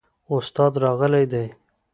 استاد راغلی دی؟